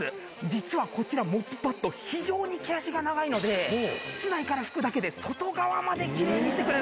実はこちらモップパッド非常に毛足が長いので室内から拭くだけで外側まできれいにしてくれるんです。